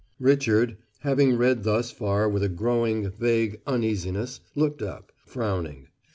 Richard having read thus far with a growing, vague uneasiness, looked up, frowning.